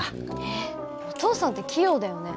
えっお父さんって器用だよね。